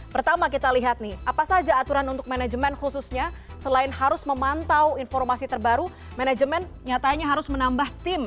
pertama kita lihat nih apa saja aturan untuk manajemen khususnya selain harus memantau informasi terbaru manajemen nyatanya harus menambah tim